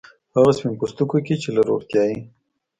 هغو سپین پوستکو کې چې له روغتیايي